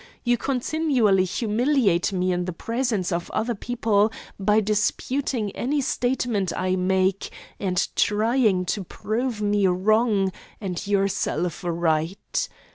'You continually humiliate me in the presence of other people by disputing any statement I make and trying to prove me wrong and yourself right.